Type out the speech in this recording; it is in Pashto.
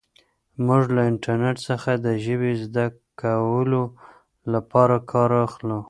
موږ له انټرنیټ څخه د ژبې زده کولو لپاره کار اخلو.